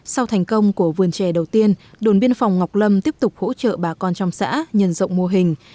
sau thành công của vườn trè đầu tiên đồn biên phòng ngọc lâm tiếp tục hỗ trợ bà con trong xã nhân rộng mô hình